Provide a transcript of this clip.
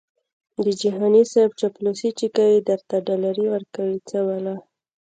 د جهاني صیب چاپلوسي چې کوي درته ډالري ورکوي څه بلا🤑🤣